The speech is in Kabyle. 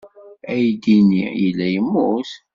Aydi-nni yella yemmut.